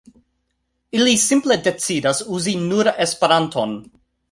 Ili simple decidas uzi nur Esperanton.